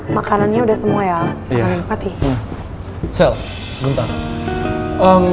makanannya udah semua ya